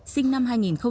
sinh năm hai nghìn hai